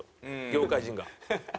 業界人が。